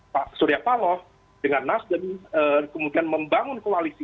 pak suryapalo dengan nasdem kemudian membangun koalisi